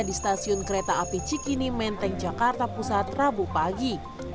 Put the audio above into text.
di stasiun kereta api cikini menteng jakarta pusat rabu pagi